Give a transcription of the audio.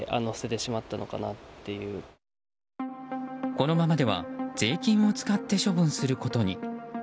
このままでは税金を使って処分することに。